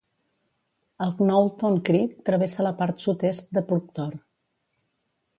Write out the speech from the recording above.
El Knowlton Creek travessa la part sud-est de Proctor.